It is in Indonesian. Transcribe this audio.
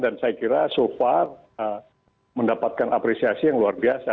saya kira so far mendapatkan apresiasi yang luar biasa